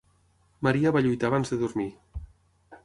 La Maria va lluitar abans de dormir.